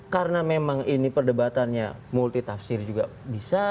karena memang ini perdebatannya multi tafsir juga bisa